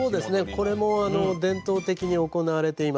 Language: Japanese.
これも伝統的に行われています。